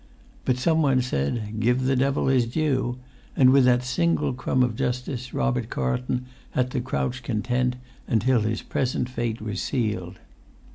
But some one said, "Give the devil his due"; and with that single crumb of justice Robert Carlton had to crouch content until his present fate was sealed.